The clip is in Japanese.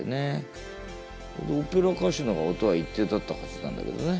オペラ歌手のが音は一定だったはずなんだけどね。